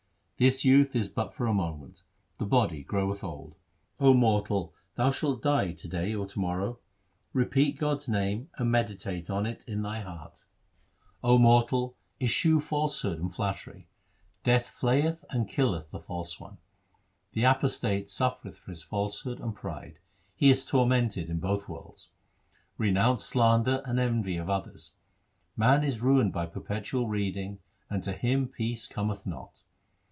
This youth is but for a moment ; 1 the body groweth old. O mortal, thou shalt die to day or to morrow ; repeat God's name and meditate on it in thy heart. 1 Sds. Literally — for a breath. LIFE OF GURU HAR GOBIND O mortal, eschew falsehood and flattery. 1 Death flayeth and killeth the false one : 2 The apostate suffereth for his falsehood and pride ; he is tormented in both worlds. Renounce slander and envy of others. Man is ruined by perpetual reading, and to him peace cometh not.